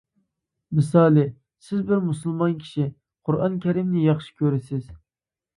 مىسالى، سىز بىر مۇسۇلمان كىشى، قۇرئان كەرىمنى ياخشى كۆرىسىز.